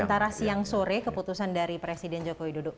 antara siang sore keputusan dari presiden joko widodo